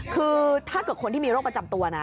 คือถ้าเกิดคนที่มีโรคประจำตัวนะ